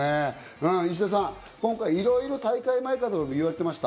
石田さん、今回、いろいろ大会前から言われてました。